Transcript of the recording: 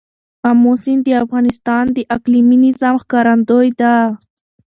آمو سیند د افغانستان د اقلیمي نظام ښکارندوی ده.